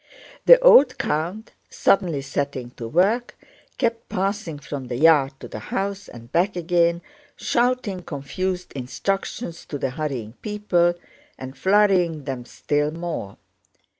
The old count, suddenly setting to work, kept passing from the yard to the house and back again, shouting confused instructions to the hurrying people, and flurrying them still more.